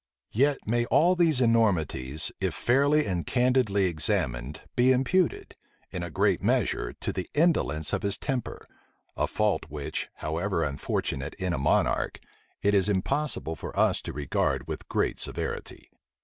Yet may all these enormities, if fairly and candidly examined, be imputed, in a great measure, to the indolence of his temper; a fault which, however unfortunate in a monarch, it is impossible for us to regard with great severity.